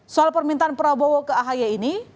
soal permintaan prabowo ke ahy ini